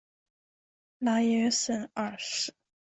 拉约什二世。